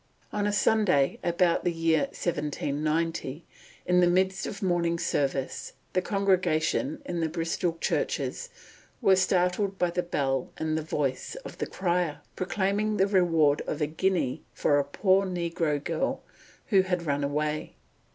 "On a Sunday," about the year 1790, "in the midst of morning service the congregations in the Bristol churches were startled by the bell and voice of the crier, proclaiming the reward of a guinea for a poor negro girl who had run away."